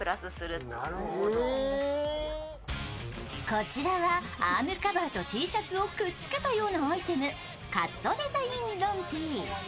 こちらはアームカバーとＴシャツをくっつけたようなアイテム、カットデザインロンＴ。